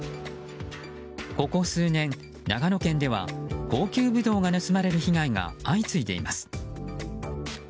ここ数年、長野県では高級ブドウが盗まれる被害が相次いでいます。